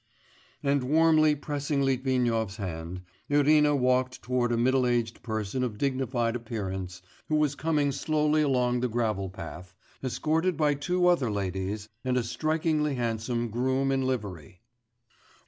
And warmly pressing Litvinov's hand, Irina walked towards a middle aged person of dignified appearance, who was coming slowly along the gravel path, escorted by two other ladies, and a strikingly handsome groom in livery.